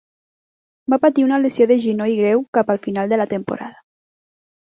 Va patir una lesió de genoll greu cap al final de la temporada.